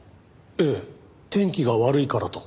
ええ天気が悪いからと。